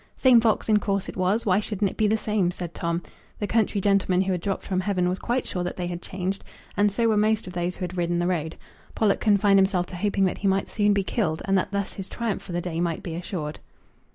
"Same fox! in course it was; why shouldn't it be the same?" said Tom. The country gentleman who had dropped from heaven was quite sure that they had changed, and so were most of those who had ridden the road. Pollock confined himself to hoping that he might soon be killed, and that thus his triumph for the day might be assured.